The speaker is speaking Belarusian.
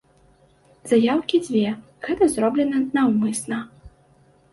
Заяўкі дзве, гэта зроблена наўмысна.